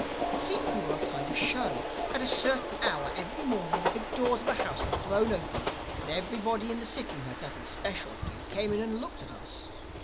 It seemed we were a kind of a show. At a certain hour every morning the big doors of the house were thrown open and everybody in the city who had nothing special to do came in and looked at us.